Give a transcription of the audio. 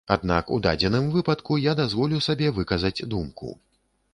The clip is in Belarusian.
Аднак у дадзеным выпадку я дазволю сабе выказаць думку.